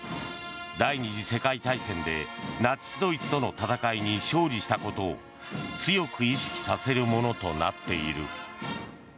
第２次世界大戦でナチスドイツとの戦いに勝利したことを強く意識させるものとなっている。